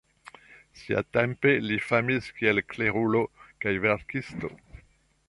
Siatempe li famis kiel klerulo kaj verkisto.